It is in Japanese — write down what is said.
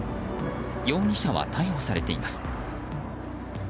容疑者は逮捕されています。